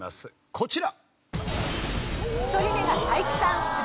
こちら！